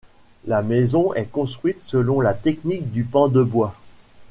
La maison est construite selon la technique du pan de bois.